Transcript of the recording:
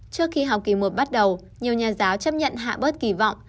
trước khi học kỳ một bắt đầu nhiều nhà giáo chấp nhận hạ bớt kỳ vọng